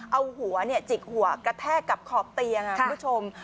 เอาหัวจิกหัวกระแทกกับขอบเตียงคุณผู้ชม